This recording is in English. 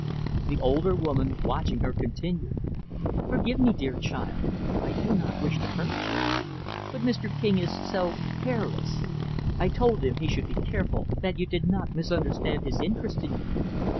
The older woman, watching her, continued, "Forgive me, dear child. I do not wish to hurt you. But Mr. King is so careless. I told him he should be careful that you did not misunderstand his interest in you.